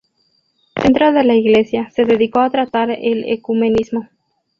Dentro de la Iglesia, se dedicó a tratar el ecumenismo.